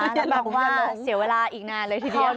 แล้วบางวันเสียเวลาอีกนานเลยทีเดียว